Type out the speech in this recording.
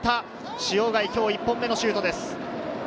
塩貝、今日１本目のシュートです。